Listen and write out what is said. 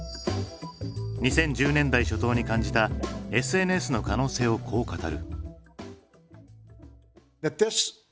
２０１０年代初頭に感じたＳＮＳの可能性をこう語る。